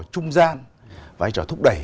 trung gian vai trò thúc đẩy